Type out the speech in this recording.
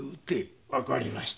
わかりました。